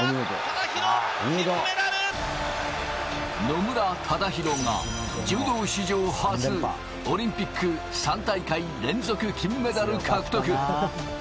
野村忠宏が柔道史上初、オリンピック３大会連続金メダル獲得。